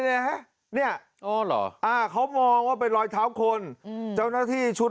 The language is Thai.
เนี่ยฮะเนี่ยอ๋อเหรออ่าเขามองว่าเป็นรอยเท้าคนอืมเจ้าหน้าที่ชุด